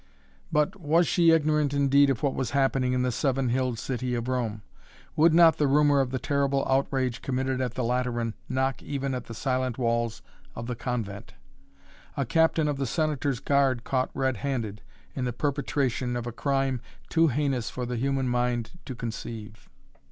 But, was she ignorant indeed of what was happening in the seven hilled city of Rome? Would not the rumor of the terrible outrage committed at the Lateran knock even at the silent walls of the convent? A captain of the Senator's guard caught red handed in the perpetration of a crime too heinous for the human mind to conceive!